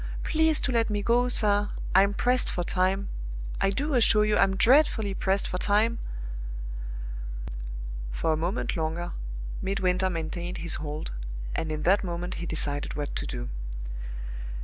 Please to let me go, sir I'm pressed for time. I do assure you I'm dreadfully pressed for time!" For a moment longer Midwinter maintained his hold, and in that moment he decided what to do.